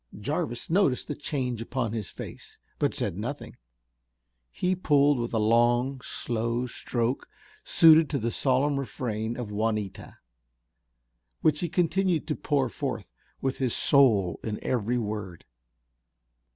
Jarvis noticed the change upon his face, but said nothing. He pulled with a long, slow stroke, suited to the solemn refrain of Juanita, which he continued to pour forth with his soul in every word.